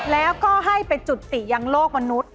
แล้วก็ให้ไปจุติยังโลกมนุษย์